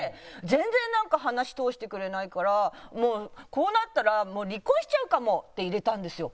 全然話通してくれないからもうこうなったら離婚しちゃうかもって入れたんですよ。